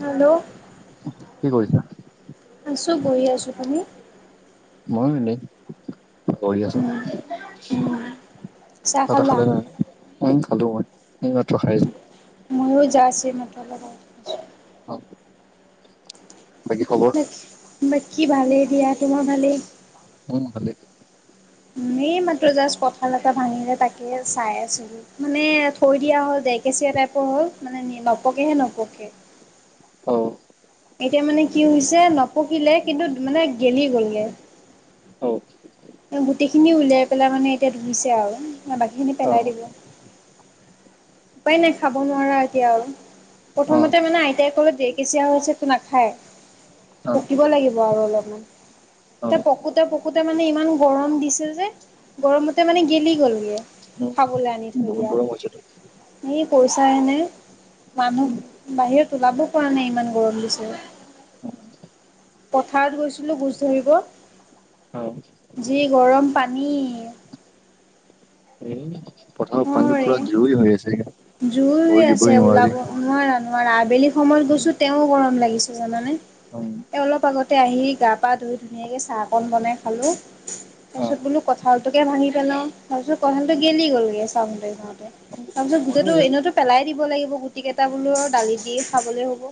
Hello? কি কৰিছা? চব বহি আছোঁ আমি। মই এনেই বহি আছো উম উম, চাহ তাহ খালে নাই খালো মই এইমাত্ৰ খাইছো ময়ো যাছ এইমাত্ৰ অলপ আগতে খাইছো অ', বাকী খবৰ বাকী ভালে দিয়া তোমাৰ ভালে অ', ভালেই মে মাত্ৰ জাষ্ট কঁঠাল এটা ভাঙিলে তাকে চাই আছিলো মানে থৈ দিয়া হল ডে কেচিয়া টাইপৰ হ'ল মানে নপকেহে নপকে অ', এতিয়া মানে কি হৈছে নপকিলে কিন্তু মানে গেলি গলগৈ অ', গোটেইখিনি উলিয়াই পেলাই মানে এতিয়া ধুইছে আৰু বাকী খিনি অ পেলাই দিলো উপায় নাই খাব নোৱাৰা এতিয়া আৰু অ প্ৰথমতে মানে আইতাই কলে দেই কেঁচিয়া হৈছেতো নাখায় অ পকিব লাগিব আৰু অলপমান অ এ পকোতে পকোতে মানে ইমান গৰম দিছে যে গৰমতে মানে গেলি গ'লগে খাবলৈ আনি উম থৈ বহুত দিয়া গৰম হৈছেতো। এই পইচা নে মানুহ উম বাহিৰত ওলাব পৰা নাই ইমান গৰম দিছে পথাৰত গৈছিলো গুছ ধৰিব অ যি গৰম পানী এ পথাৰত পানী অৰে পোৰা জুই হৈ আছে জুই ভৰি দিবই আছে নোৱাৰি। ওলাব নোৱাৰা নোৱাৰা আবেলি সময়ত গৈছো তেও গৰম লাগি জানা হয়। তে আহি গা পা ধুই ধুনীয়াকে চাহ অকন বনাই খালো। তাৰ অ পিছত বোলো কঁঠালটোকে ভাঙি পেলাও তাৰ পিছ কঁঠালটো উম। গেলি গ'লগে চাওতে চাওতে তাৰ ময়ো পিছত সো এয়া এনেওতো পেলাই দিব লাগিব গুটি কেইটা বোলো দালি দি খাবলে হ'ব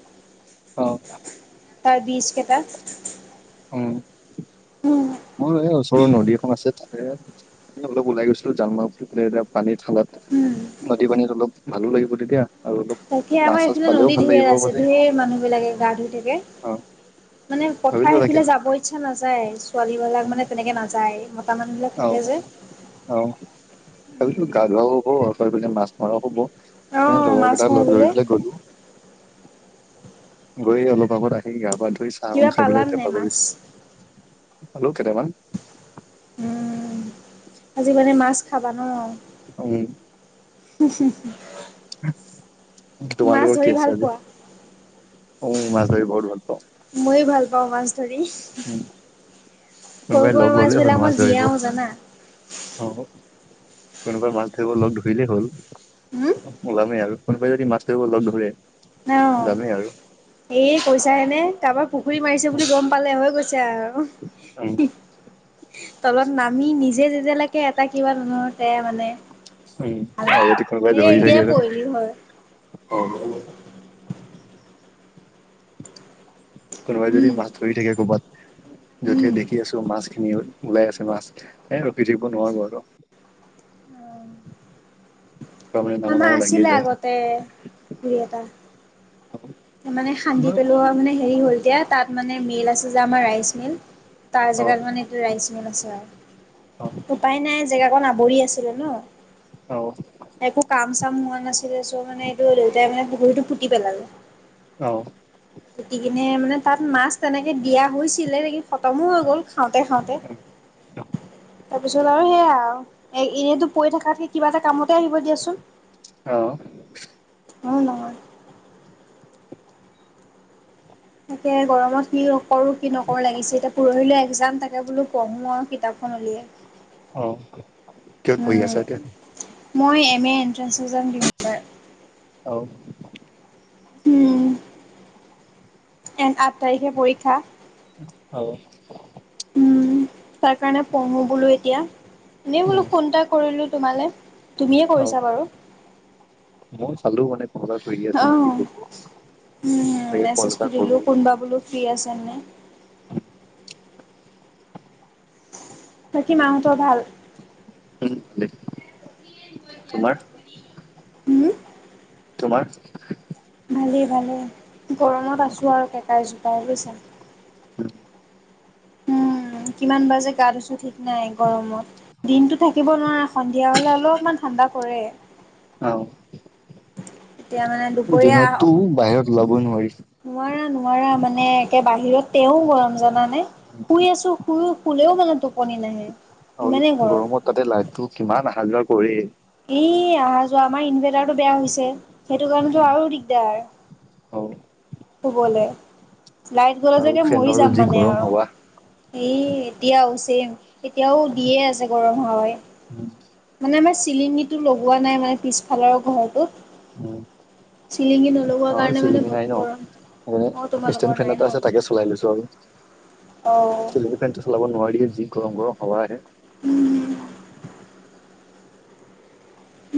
অ তাৰ বীজ কেইটা উম, মই এই ওচৰৰ নদী এখন আছে তাতে অলপ ওলাই গৈছিলো জালমাহ এতিয়া পানীত খালাত উম। নদী পানীত অলপ ভালো লাগিব তেতিয়া আৰু অলপ তাকে, মাছ আমাৰ চাছ এইফালে পালেও নদী ভাল ঢেৰ লাগিব আছে বুলি ধঢেৰ মানুহবিলাকে গা ধুই থাকে অ মানে ভাবিলো পথাৰ স তাকে পিলে যাব ইচ্ছা নাযায় ছোৱালীবলাক মানে তেনেকে নাযায় মতা মানুহ বিলাক থাকে আহ যে। আহ তপিছো উম, গা ধোৱাও হ'ব আৰু পিনে মাছ মৰাও হব এ অ' মাছ লগৰকেইটা লগ মাৰিবলে ধৰিলে গ'লো গৈ অলপ আগত আহি গা পা ধুই চাহ খ কিবা খাই পেলায় পালানে এতিয়া নাই মাছ? বাগৰিছো খালো' কেইতামান উম, আজি মানে মাছ খাবা ন? অ', উন হু হু তোমাৰ লোকৰ কি ভাল আছে আজি? পোৱা? অ ', মাছ ধৰি বহুত ভাল পাও ময়ো ভাল পাও মাছ ধৰি উম সৰু কোনোবাই সুৱা লগ মাছ ললেই হ'ল বিলাক মই ধৰিব জিয়ও জানা অ কোনোবাই মাছ ধৰিব লগ ধৰিলেই হ'ল হম ওলামেই আৰু কোনোবাই যদি মাছ ধৰিব লগ ধৰে ন যামেই আৰু এই পইচা হেনে কাৰোবাৰ পুখুৰী মাৰিছে বুলি গম পালে হৈ গৈছে আৰু আহ, তলত নামি নিজে যেতিয়ালৈকে এটা কিবা ধৰতে মানে উম আৰু যদি কোনোবাই এই ধৰি এতিয়াই থাকে পৰিলি হয়। অ কোনোবাই যদি উম মাছ ধৰি থাকে ক'ৰবাত য'তে উম দেখি আছো মাছ খিন ওলাই আছে মাছ এ ৰখি থাকিব নোৱাৰো আৰু। তাৰ মানে নামো আমাৰ নামো লাগিয়ে আছিলে যায় আগতে দুই এটা। অ মানে সান্দি পেলোৱা মানে হেৰি হ'ল এতিয়া তাত মানে মিল আছে যে আমাৰ ৰাইচ মিল। তাৰ অ জেগাত মানে এইটো ৰাইচ মিল আছে আৰু, উপায় নাই জেগা কন আৱৰি আছে। ন অ একো কাম চাম হো মানে এইটো দেউতাই মানে পুখুৰীটো পুতি পেলালে। অ'। পুটি কিনে মানে তাত মাছ তেনেকে দিয়া হৈছিলে নেকি খতমো হৈ গ'ল খাওঁতে খাওঁতে। তাৰপিছত আৰু সেইয়ে আৰু এনেতো পৰি থকাতকে কিবা এটা কামতে আহিব দিয়াচোন। আহ। উম, নহয়। তাকে গৰমত কি কৰো কি নকৰো লাগিছে এতিয়া। পৰহিলৈ এক্সাম থাকে বোলো পঢ়োঁ আৰু কিতাপখন উলিয়াই। অ', কিহত পঢ়ি উম, আছা এতিয়া? মই এম এ এণ্ট্রেঞ্চ যাম দিম এবাৰ। অও। উম, এ আঠ তাৰিখে পৰীক্ষা। অ'। উম, তাৰ কাৰণে পঢ়ো বোলো এতিয়া। এনেই বোলো উম ফোন এটা কৰিলো। তোমালে, তুমিয়ে অ কৰিছা বাৰু। মই চালো মানে [unintelligible] অ'। উম, চাগে কল এটা মেছেজটো কৰো দিলোঁ বুলি কোনোবা বোলো ফ্ৰী আছে নাই। [inaudible] বাকী মাহঁতৰ ভাল? উম, ভালেই, তোমাৰ? উম, তোমাৰ? ভালেই ভালে অ গৰমত আছোঁ আৰু কেকাই জোকাই বুজিছা। উম। উম, কিমান বাৰ যে গা ধুইছো ঠিক নাই গৰমত। দিনতো থাকিব নোৱাৰা সন্ধিয়া হ'লে অলপমান ঠাণ্ডা পৰে। অ', এতিয়া মানে দিনতো দুপৰীয়া বাহিৰত ওলা নোৱাৰা নোৱাৰা মানে একে বাহিৰত তেও গৰম জানা নে শুই আছো। শুই শুলেও মানে টোপনি নাহে। আৰু ইমানেই গৰম। গৰমত তাতে লাইটটো কিমান আহা যোৱা কৰে। এই অহা যোৱা আমাৰ ইনভাৰ্টাৰটো বেয়া হৈছে। সেইটো কাৰণেতো আৰু দিগদাৰ অ শুবলৈ। লাইট গ'লেতো আৰু এতিয়া মৰি ফেনৰো যাম যি মানে গৰম আৰু। হাৱা এ এতিয়া উচিম এতিয়াও দিয়ে আছে গৰম হয় হাৱায়ে। মানে আমাৰ চিলিঙীটো লগোৱা নাই মানে পিছফালৰ ঘৰটোত। উম। চিলিঙি নলগোৱাৰ আমাৰও কাৰণে মানে চিলিঙি বহুত নাই ন। গৰম অ সেইকাৰণে তোমালোকৰ ষ্টেণ্ট ফেন নাই ন এটা আছে তাকে চলাই লৈছো আৰু। অ চিলিঙি ফেনটো চলাব নোৱাৰিয়ে যি গৰম গৰম হাৱা আহে। উম।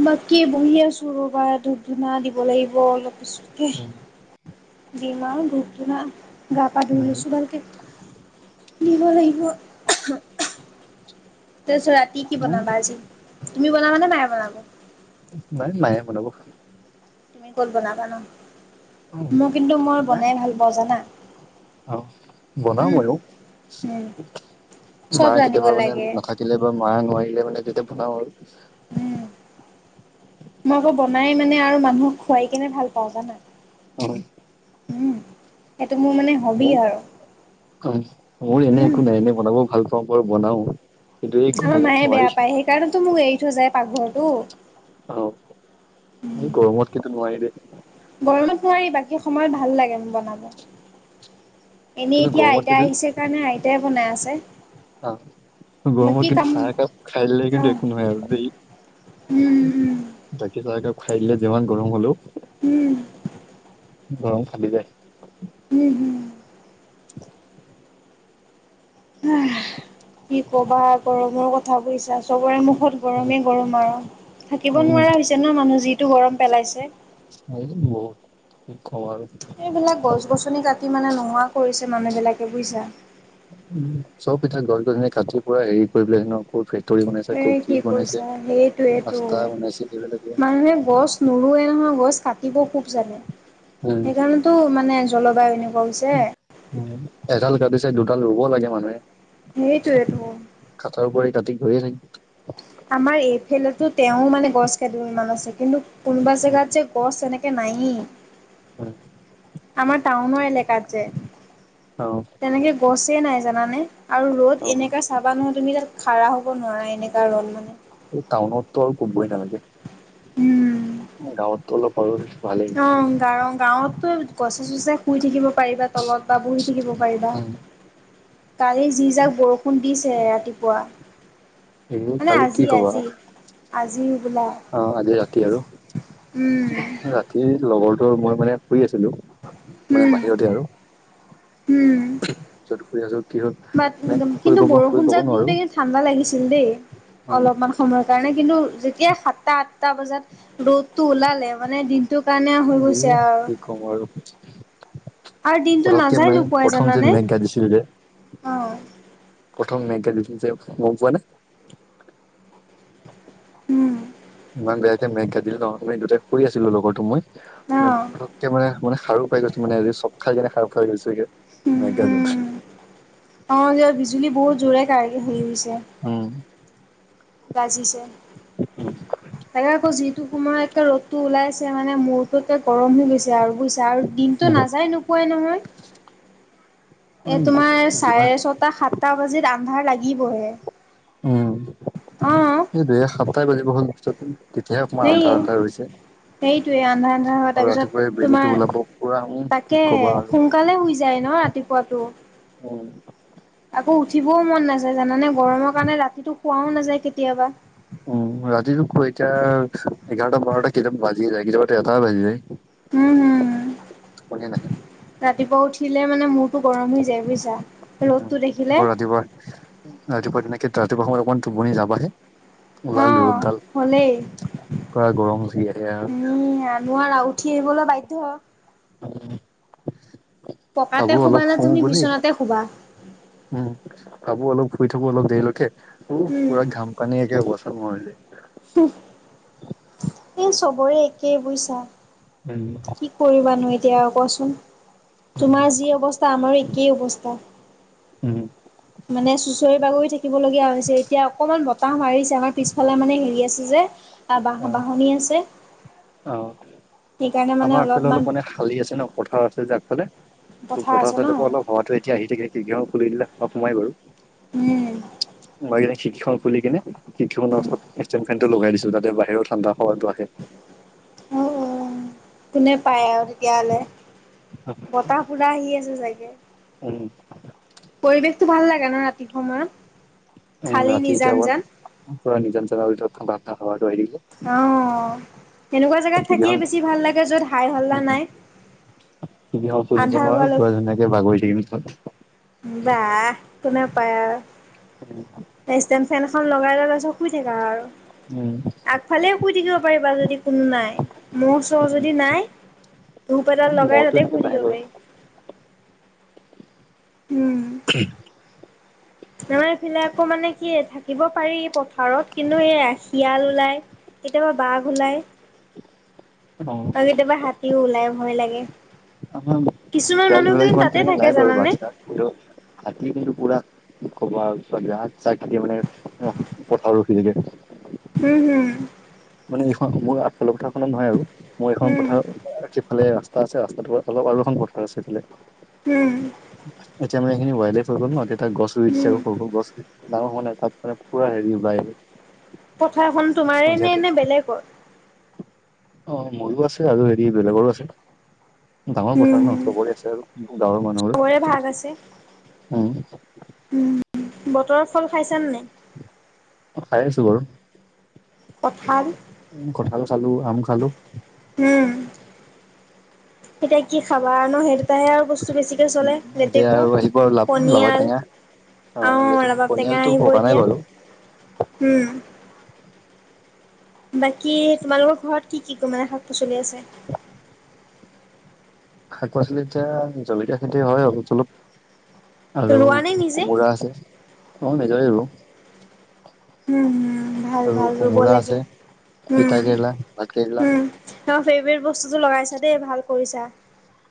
বাকী বহি আছো ৰ'বা ধূপ ধূনা দিব লাগিব অলপ [unintelligible] দিম আৰু ধূপ ধূণা। গা পা ধুই লৈছোঁ ভালকে নিব লাগিব। তাৰপিছত ৰাতি কি উম বনাবা আজি, তুমি বনাবানে মায়ে বনাব? নাই, নাই [unintelligible] মনাব তুমি কত বনাবা ন, মোক কিন্তু মই নাই বনাই ভাল পাওঁ জানা। অ [unintelligible] বনাব উম আৰু উম চব মা জানিব কেতিয়াবা মানে লাগে নাথাকিলে বা মা নোৱাৰ [unintelligible] মানে যেতিয়া বনা হল উম। মই আকৌ বনাই মানে আৰু মানুহক খুৱাই কেনে ভাল পাওঁ জানা। হয়। উম মোৰ মানে হবি অ, আৰু মোৰ এনে, উম। একো নাই, এনে বনাব ভাল পাওঁ বৰ বনাও কিন্তু এই আমাৰ গৰমত মায়ে বেয়া নোৱাৰি পায় সেইকাৰণো মোক এৰি থৈ যোয়। পাকঘৰটো। অ এই গৰমত কিন্তু নোৱাৰি দেই গৰমত নোৱাৰি বাকী সময়ত ভাল লাগে বনাব। এনেই কিন্তু এতিয়া গৰমত আইতা কিন্তু আহিছে কাৰণে আইতাই বনাই আছে। অ, গৰমৰ বাকী কিন্তু কাম চাহ একাপ খাইলে [unintelligible] কিন্তু অহ একো নহয় আৰু দেই। উম বাকী চাহ একাপ খাই দিলে যিমান গৰম হলো উম। অ, খালি যায়। হম, হম। [inaudible] কি কবা কৰ মোৰ কথাাবৈিছা [unintelligible] চবৰে মোক বহত [unintelligible] গৰমে, গৰম আৰু থাকিব উম নোৱাৰা হৈছে ন মানুহ যিটো গৰম পেলাইছে। হয়, বহ [inaudible] এইবিলাক গছ-গছনি কাটি মানে নোহোৱা কৰিছে মানুহবিলাকে বুজছা। উম, চব পিঠতে গছ, গছি কাটি প্পুৰা হেৰি কৰি ন [unintelligible] এ, ক'ত কি বনাইছে কৈছা ৰাস্তা বনাইছে এইবিলাকে সেইটোৱেইেতটো মানুহে গছ নোৰোৱে নহয় গছ কাটিব খুব জাগে উম সেইকাৰণেতো মানে জলবায়ু এনেকুৱা হৈছে। এডাল কাটিছে দুডাল ৰুব লাগে মানুহে। সেইটোৱেটো। কাটাৰ [inaudible] আমাৰ এইফেলেতো তেওঁ মানে গছ [unintelligible] ইমান আছে কিন্তু কোনোবা উম, জেগাত যে গছ এনেকৈ নাএই। অ আমাৰ টাউনৰ এলেকাত যে তেনেকে গছে নাই জানানে আৰু অ ৰ'দ এনেককা চাবা নহয় তুমি তাত খাৰা হ'ব নোৱাৰা এনেককা ৰ'ল মানে। এই টাউনততো আৰু উম গাঁৱতটো অলপ [unintelligible] ভালেই। গাঁৱততো গছে, চছে শুই থাকিব পাৰিবা তলত বা বহি থাকিব পাৰিবা। উম, কালি যি যাক বৰষুণ দিছে ৰাতিপুৱা। এই মানে কালি কি আজি, কবা আজি, আজি বোলা অ, আযি ৰাতি আৰু। উম ৰাতি লগৰটো মই মানে শুই আছিলো মানে উম বাহিৰতে আৰু। [inaudible] যত শুই আছো। কি হ'ল বাত মানে শুই কিন্তু ক'ব শুই বৰষুণ ক'ব যাক নোৱাৰো দিওঁতে কিন্তু ঠাণ্ডা লাগিছিল দেই। অলপমান সময়ৰ কাৰণে কিন্তু যেতিয়া সাত ত্বাত [unintelligible] টা বজাত ৰ'দটো ওলালে মানে দিনটোৰ কাৰণে হৈ গৈছে আৰু। আৰু দিনটো পৰককে নাযায় মানে নোপোৱাই প্ৰথম যে জানানে মেঘ গা দিছিল যে অ' প্ৰথম মেগাজিন যে গম পোৱা নে উম। ইমান বেয়াকে মেঘ ঘাটল ন, আমি দুটাই [unintelligible] আছিলো লগৰ তো, মই মানে অ'। পতককে মানে, মানে সাৰু পাই গৈছো মানে চক খাই কেনে সাৰ খাই গৈছো গে। উম [inaudible] উম অ', যে বিজুলী বহুত জোৰে [unintelligible] হেৰি হৈছে উম। বাজিছে তাকে আকৌ যিটো সময়টে একে ৰ'দ টো ওলাইছে মানে মূৰটোকে গৰম হৈ গৈছে আৰু আৰু দিনটো নাযায় নোপোৱাই নহয়। এ উম তোমাৰ যিমান চাৰে ছটা সাতটা বাজিত আন্ধাৰ লাগি কি বহে উম অ', অ'। সেইটোৱে [unintelligible] তেতিয়াহে অকমান আন্ধাৰ আন্ধাৰ হৈছে। সেইটোয়ে আন্ধা আন্ধা হ আৰু তাৰ ৰাতিপুৱাই পিছত বেলিটো তোমাৰ ওলাব পুৰা উম কি তাকে ক'বা আৰু। সোনকালে শুই যায় ন ৰাতিপুৱাতটো। উম। আকৌ উঠিবও মন নাযায় জানানে গৰমৰ কাৰণে ৰাতিতটো শোৱাও নাযায় কেতিয়াবা। উম ৰাতিটো এতিয়া এঘাৰটা বাৰটা কেইটা বাজিয়ে যায় কেতিয়াবা এটা এ বাজি যায়। উম, উম, উম টোপনিয়ে নাহে ৰাতিপুৱা উঠিলে মানে মোৰ উ দেখিলে আকৌ ৰাতিপুৱা ৰাতিপুৱা [unintelligible] ৰাতিপুৱা সময়ত অকমান টোপনি যাবাহে হ ওলাল ৰ'দডাল। হলেই। পুৰা গৰম উঠি আহে আৰু উম নোৱাৰা উঠি আহিবলৈ বাধ্য। উ [unintelligible] পকাতে ভাবো শুবা অলপ নে শু তুমি বুলি বিচনাতে শুবা? উম ভাবো অলপ শুই থাকো অলপ দেৰিলৈকে উম, পুৰা ঘাম পানী একে অবস্থা নোহোৱা হৈ যায়। এ চবৰে একেই বুইছা। উম। কি কৰিবানো এতিয়া কোৱাচোন, উম তোমাৰ যি অৱস্থা আমাৰো কি অৱস্থা? উম। মানে চুচৰি বাগৰি থাকিব লগগীয়া হৈছে। এতিয়া অকমান বত তাহ মাৰিছে, আমাৰ পিছফালে মানে হেৰি আছে যে অ বাঁহনি আছে। অ' সেইকাৰণে মানে আমাৰ আগফালে অলপমান অলপ মানে শালি আছে ন পথাৰ আছে যে আগফালে। তো পথাৰ আছে ন চাইডৰ পৰা অলপ হৱাটো এতিয়া আহি থাকে খিৰিকী খন খুলি দিলে অলপ সোমাই বাৰু। মই সেই কাৰণে খিৰিকী খন খুলি কিনি খিৰিকী খনৰ ওচৰত ষ্টেন ফেন টো লগাই দিছো যাতে বাহিৰৰ ঠাণ্ডা হাৱাটো আহে। অ', অ', কোনে পায় আৰু তেতিয়া হ'লে। বতাহ পোৰা আহি আছে চাগে। উম, পৰিবেশটো ভাল লাগে ন ৰাতিৰ সময়ত। উম খালি ৰাতি নিজান এতিয়া বৰ জান পোৰা নিজান জেগাত বাহ ঠাণ্ডা হাৱা [unintelligible] এনেকোৱা জেগাত থাকিয়ে বেছি ভাল লাগে য'ত হাই হল্লা নাই। দি আও তুলি দিম আন্ধাৰ আৰু পুৰা ধুনীয়াকে বাগৰি থাকিম তাত। বাহঃ কোনে পাই আৰু। উম। ফেনখন লগাই লৈ তাৰ পাছত শুই থাকা আৰু। উম, আগফালে শুই থাকিব পাৰিবা যদি কোনো নাই, ম'হ চ'হ উম। যদি নায়। ধূপ এদাল লগাই মহতো ততে এনেকে শুই নাই থাকিব বাৰু পাৰি। উম উ [unintelligible] আমাৰ এইফিলে আকৌ মানে কি থাকিব পাৰি পথাৰত কিন্তু এই শিয়াল ওলায়, কেতিয়াবা বাঘ ওলায়। অ' আৰু কেতিয়াবা হাতীও ওলাই ভয় লাগে। আমাৰ কিছুমান ইয়াত মানুহ শিয়াল কিন্তু চিয়াল তাতে তেনেকে থাকে নাই বাৰু জানানে বাঘ চাঘ হাতী কিন্তু পোৰা কি কবা আৰু আগ চাগ দি মানে পথাৰত ৰখি থাকে। হুম হুম। মানে এইখন মোৰ আফালে কথাৰখনত নহয় আৰু মোৰ হুম এইখন উম পথাৰ সিফালে আ আছে ৰাস্তাটো অলপ আৰু এখন পথাৰ আছে সেইফালে। উম। এতিয়া আমাৰ এইখিনি ওৱাইল লাইফ হৈ গল নএতিয়া তাত গছ ৰুই দিছে উম আকৌ সৰু সৰু গছ। ডাঙৰ হোৱা নাই তাত মানে পুৰা হেৰি বায় পছাৰখন তোমাৰে নে নে বেলেগৰ? অ', মোৰো আছে আৰু হেৰি বেলেগৰো আছে। ডাঙৰ পথাৰ উম ন চবৰে আছে আৰু গাঁৱৰ মানুহৰ। চবৰে ভাগ আছে উম, উম, উম। বতৰৰ ফল খাইছানে নাই? খাই আছো কঠাল। কঠাল খালো আম খালো। উম। এতিয়া কি খাবা ন সেই দুটাহে আৰু বস্তু বেছিকৈ উম চলে। এতিয়া লেটেকু, আৰু আহিব আৰু লা লাবাৰ পনিয়াল, টেঙা অ', এইটো ৰাবাব টেঙা পনিয়ালটো আহিব পকা নাই এতিয়া, বাৰু উম, বাকী তোমালোকৰ ঘৰত কি কি মানে শাক পাচলি আছে? শাক পাচলি এতিয়া জলকীয়া খেতি হয় অলপ চলপ। আৰু ৰোৱা নে নিজে কোমোৰা আছে অ, ' নিজৰে আৰু। উম, উম। ভাল ভাল ৰুব কোমোৰা আছে লাগে উম তিতা কেৰেলা ভাত কেৰেলা উম। তোমাৰ ফেব্ৰেট ব বস্তুতটো লগাইছা দেই ভাল কৰিছা।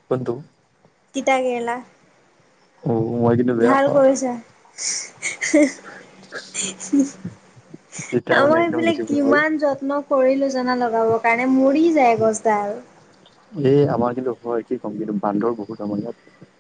কোনটো? তিতা কেৰেলা। অ, মই কিন্তু বেয়া ভাল পাওঁ কৰিছা। [unintelligible] তিতা মানে আমাৰ একদম এইবিলাক দেখিব নোৱাৰি কিমান যত্ন কৰিলো জনা লগাবৰ কাৰণে, মৰি যায় গছডাল। এই আমাৰ কিন্তু হয়, কি ক'ম কিন্তু বান্দৰ বহুত আমাৰ ইয়াত।